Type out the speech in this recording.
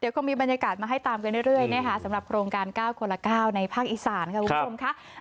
เดี๋ยวคงมีบรรยากาศมาให้ตามกันเรื่อยสำหรับโครงการ๙คนละ๙ในภาคอีสานครับคุณผู้ชม